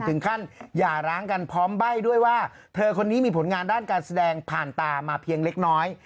อย่าร้างกันพร้อมใบ้ด้วยว่าเธอคนนี้มีผลงานด้านการแสดงผ่านตามาเพียงเล็กน้อย